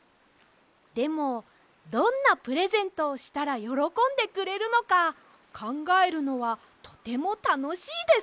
でもどんなプレゼントをしたらよろこんでくれるのかかんがえるのはとてもたのしいです！